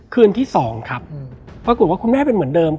คืนที่๒ครับปรากฏว่าคุณแม่เป็นเหมือนเดิม